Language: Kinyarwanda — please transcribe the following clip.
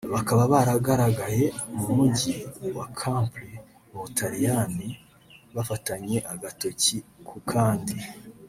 bakaba baragaragaye mu Mujyi wa Capri mu Butaliyani bafatanye agatoki ku kandi